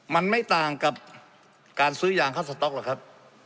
มันไม่ต่างกับการซื้อยางเข้าสต๊อกหรอกครับ